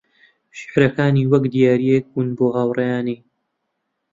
شیعرەکانی وەک دیارییەک بوون بۆ هاوڕێیانی